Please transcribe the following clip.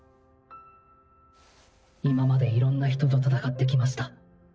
今まで色んな人と戦ってきました。